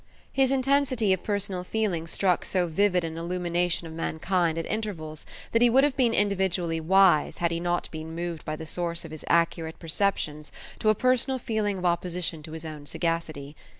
His intensity of personal feeling struck so vivid an illumination of mankind at intervals that he would have been individually wise, had he not been moved by the source of his accurate perceptions to a personal feeling of opposition to his own sagacity.